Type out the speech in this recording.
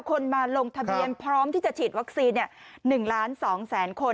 คนมาลงทะเบียนพร้อมที่จะฉีดวัคซีน๑ล้าน๒แสนคน